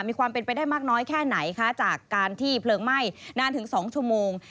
มีความเป็นไปได้มากน้อยแค่ไหนคะจากการที่เพลิงไหม้นานถึง๒ชั่วโมง